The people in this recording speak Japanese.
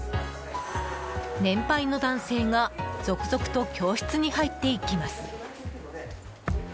年配の男性が続々と教室に入っていきます。